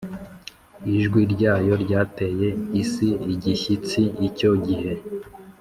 Ijwi ryayo ryateye isi igishyitsi icyo gihe